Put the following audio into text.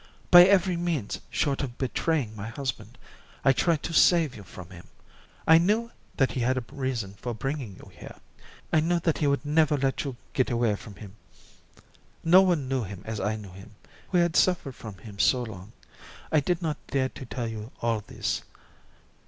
By every means, short of betraying my husband, I tried to save you from him. I knew that he had a reason for bringing you here. I knew that he would never let you get away again. No one knew him as I knew him, who had suffered from him so often. I did not dare to tell you all this.